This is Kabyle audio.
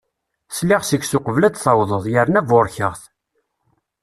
Sliɣ seg-s uqbel ad d-tawdeḍ, yerna burkeɣ-t.